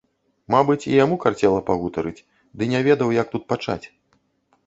Мабыць, і яму карцела пагутарыць, ды не ведаў, як тут пачаць.